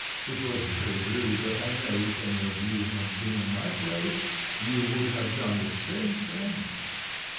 It was very rude, but I know if any of you had been in my place you would have done the same thing.